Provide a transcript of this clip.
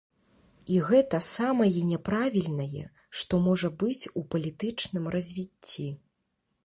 І гэта самае няправільнае, што можа быць у палітычным развіцці.